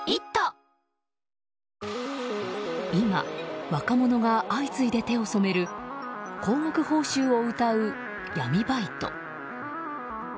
今、若者が相次いで手を染める高額報酬をうたう闇バイト。